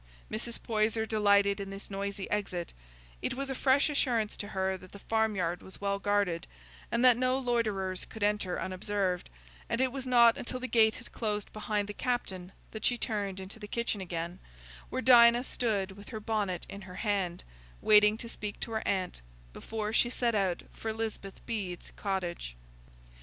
Mrs. Poyser delighted in this noisy exit; it was a fresh assurance to her that the farm yard was well guarded, and that no loiterers could enter unobserved; and it was not until the gate had closed behind the captain that she turned into the kitchen again, where Dinah stood with her bonnet in her hand, waiting to speak to her aunt, before she set out for Lisbeth Bede's cottage.